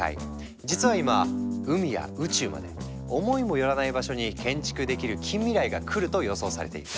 実は今海や宇宙まで思いも寄らない場所に建築できる近未来がくると予想されている。